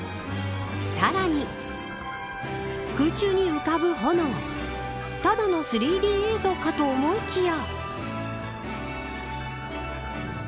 さらに空中に浮かぶ炎ただの３Ｄ映像かと思いきや。